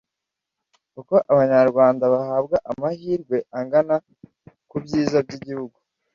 uko abanyarwanda bahabwa amahirwe angana ku byiza by’igihugu